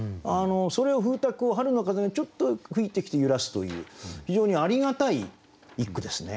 それを風鐸を春の風がちょっと吹いてきて揺らすという非常にありがたい一句ですね。